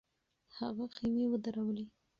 هغه خېمې ودرولې.